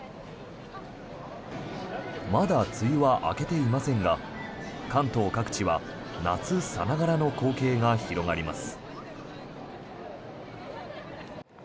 まだ梅雨は明けていませんが関東各地は夏さながらの光景が広がります。